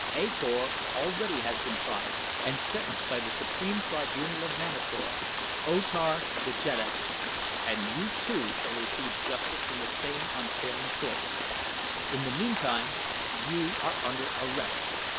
A Kor already has been tried and sentenced by the supreme tribunal of Manator O Tar, the jeddak; and you too shall receive justice from the same unfailing source. In the meantime you are under arrest.